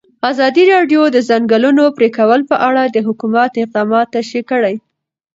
ازادي راډیو د د ځنګلونو پرېکول په اړه د حکومت اقدامات تشریح کړي.